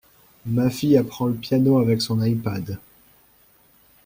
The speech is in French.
Ma fille apprend la piano avec son ipad.